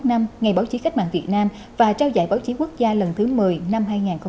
năm ngày báo chí khách mạng việt nam và trao giải báo chí quốc gia lần thứ một mươi năm hai nghìn một mươi năm